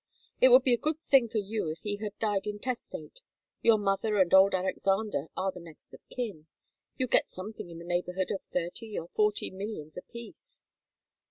"It would be a good thing for you if he had died intestate. Your mother and old Alexander are the next of kin. They'd get something in the neighbourhood of thirty or forty millions apiece.